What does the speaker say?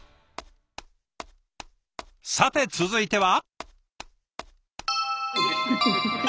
さて続いては？